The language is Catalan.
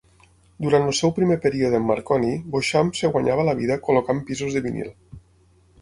Durant el seu primer període amb Marconi, Beauchamp es guanyava la vida col·locant pisos de vinil.